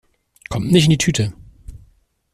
Kommt nicht in die Tüte!